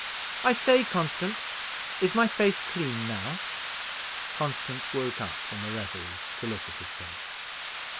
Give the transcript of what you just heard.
I say, Constance, is my face clean now?" Constance woke up from a reverie to look at his face.